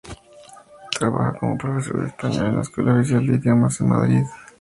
Trabaja como profesor de español en la Escuela Oficial de Idiomas de Madrid.